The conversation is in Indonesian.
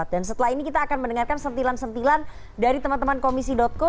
dan setelah ini kita akan mendengarkan sentilan sentilan dari teman teman komisi co